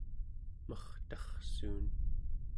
mertarrsuun